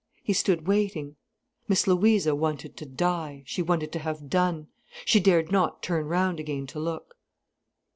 He stood waiting. Miss Louisa wanted to die, she wanted to have done. She dared not turn round again to look.